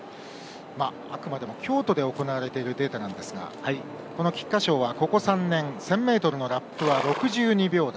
あくまでも京都で行われているデータなんですがこの菊花賞は、ここ３年１０００ｍのラップは６２秒台。